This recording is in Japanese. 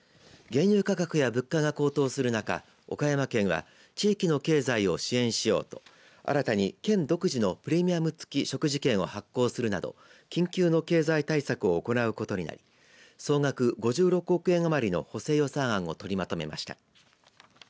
原油価格や物価が高騰する中岡山県は地域の経済を支援しようと新たに県独自のプレミアム付き食事券を発行するなど、緊急の経済対策を行うことになり総額５６億円余りの補正予算案を取りまとめました。